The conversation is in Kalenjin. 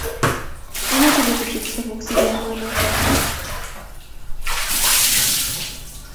amache petushek somok si kemwaa notok